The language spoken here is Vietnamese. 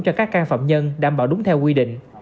cho các can phạm nhân đảm bảo đúng theo quy định